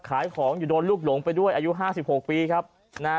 ขายของอยู่โดนลูกหลงไปด้วยอายุห้าสิบหกปีครับนะฮะ